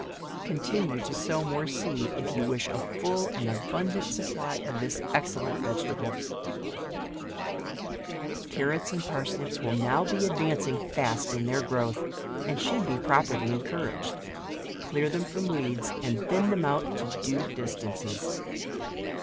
Continue to sow more seed, if you wish a full and abundant supply of this £$> .client vegetable. 146 JUNE* " CARROTS and PARSNIPS will now be advancing fast in their growth, and should be properly encouraged. Clear them from weeds, and thin them out to due distances.